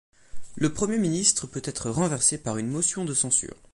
Le Premier ministre peut être renversé par une motion de censure.